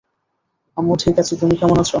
আম্মু ঠিক আছি, তুমি কেমন আছো?